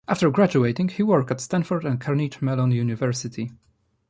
After graduating, he worked at Stanford and Carnegie Mellon University.